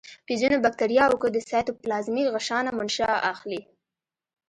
په ځینو باکتریاوو کې د سایتوپلازمیک غشا نه منشأ اخلي.